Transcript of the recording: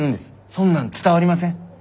そんなん伝わりません。